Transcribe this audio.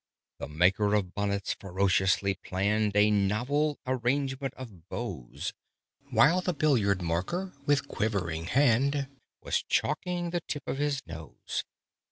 The maker of Bonnets ferociously planned A novel arrangement of bows: While the Billiard marker with quivering hand Was chalking the tip of his nose.